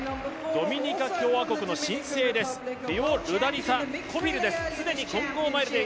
ドミニカ共和国の新星です、フィオルダリサ・コフィルです。